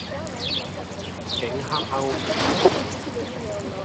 警黑勾結